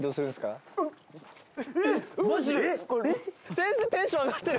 先生テンション上がってる。